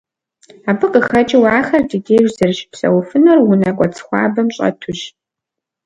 Абы къыхэкӏыу ахэр ди деж зэрыщыпсэуфынур унэ кӏуэцӏ хуабэм щӏэтущ.